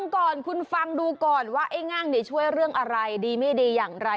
คุณฟังดูก่อนว่าย่างช่วยเรื่องอะไรดีไม่ดีอย่างไร